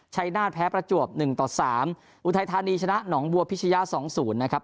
ชัยนาฏแพ้ประจวบหนึ่งต่อสามอุทัยธานีชนะหนองบัวพิชยะสองศูนย์นะครับ